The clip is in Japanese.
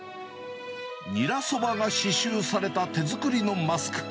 ニラそばが刺しゅうされた手作りのマスク。